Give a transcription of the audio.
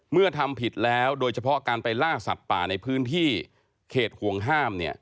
ทำผิดแล้วโดยเฉพาะการไปล่าสัตว์ป่าในพื้นที่เขตห่วงห้าม